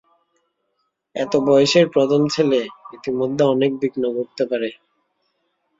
এত বয়সের প্রথম ছেলে, ইতিমধ্যে অনেক বিঘ্ন ঘটতে পারে।